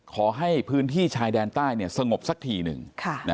ขอให้พื้นที่ชายแดนใต้สงบสักทีหนึ่ง